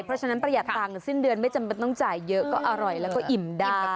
เพราะฉะนั้นประหยัดตังค์สิ้นเดือนไม่จำเป็นต้องจ่ายเยอะก็อร่อยแล้วก็อิ่มได้นะคะ